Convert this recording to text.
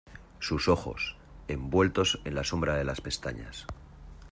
sus ojos, envueltos en la sombra de las pestañas